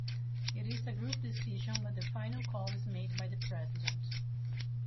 It is a group decision but the final call is made by the president.